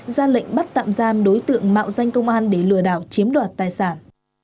ra lệnh bắt tạm giam đối tượng mạo danh công an để lừa đảo chiếm đoạt tài sản